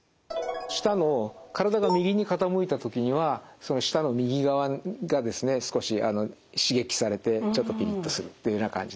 舌の体が右に傾いた時にはその舌の右側がですね少し刺激されてちょっとピリッとするというような感じですね。